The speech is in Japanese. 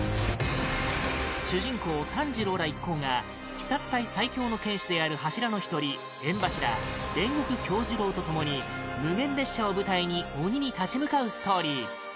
主人公・炭治郎ら一行が鬼殺隊最強の剣士である柱の１人炎柱・煉獄杏寿郎と共に無限列車を舞台に鬼に立ち向かうストーリー